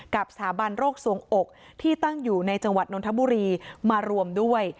สถาบันโรคสวงอกที่ตั้งอยู่ในจังหวัดนทบุรีมารวมด้วย